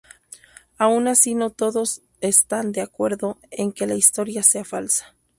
Aun así no todos están de acuerdo en que la historia sea falsa.